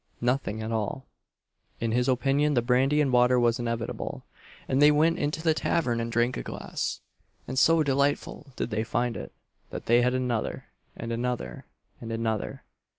Nothing at all. In his opinion the brandy and water was inevitable, and they went into the tavern and drank a glass; and so delightful did they find it, that they had another, and another, and another.